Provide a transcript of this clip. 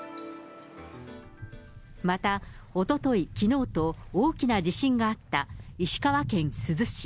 また、おととい、きのうと大きな地震があった石川県珠洲市。